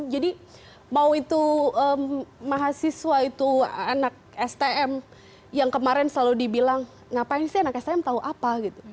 jadi mau itu mahasiswa itu anak stm yang kemarin selalu dibilang ngapain sih anak stm tau apa